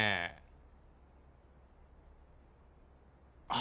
あ。